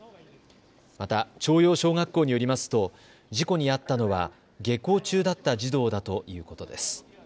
また朝陽小学校によりますと事故に遭ったのは下校中だった児童だということです。